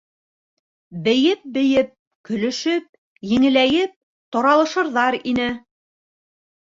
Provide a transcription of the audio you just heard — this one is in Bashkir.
Бейеп-бейеп, көлөшөп, еңеләйеп таралышырҙар ине...